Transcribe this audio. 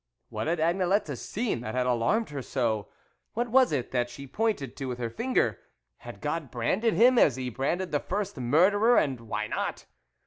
What had Agnelette seen that had alarmed her so ? What was it that she pointed to with her finger ? Had God branded him, as He branded the first murderer ? And why not